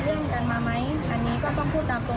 หรือว่ากำหนดสนุมสถาพควรปะไกล